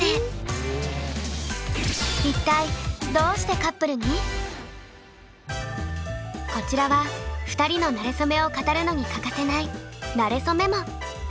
一体こちらは２人のなれそめを語るのに欠かせない「なれそメモ」。